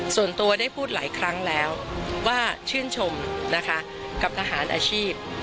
ส่วนตัวได้พูดหลายครั้งแล้วว่าชื่นชมนะคะกับทหารอาชีพ